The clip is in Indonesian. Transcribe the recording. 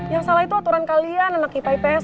yang salah itu aturan kalian anak ipa ips lebay banget